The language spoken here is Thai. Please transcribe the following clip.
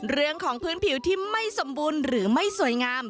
เรื่องของพื้นผิวที่ไม่สมบูรณ์หรือไม่สวยงาม